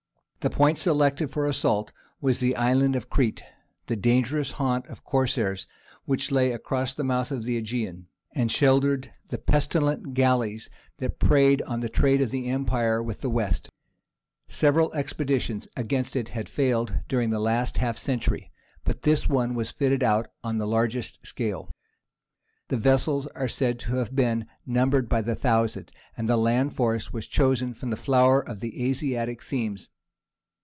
The point selected for assault was the island of Crete, the dangerous haunt of Corsairs which lay across the mouth of the Aegean, and sheltered the pestilent galleys that preyed on the trade of the empire with the West. Several expeditions against it had failed during the last half century, but this one was fitted out on the largest scale. The vessels are said to have been numbered by the thousand, and the land force was chosen from the flower of the Asiatic "themes."